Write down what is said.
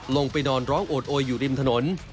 ลงไปนอนร้องโอดโอยอยู่ริมถนน